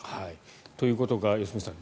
ということが良純さん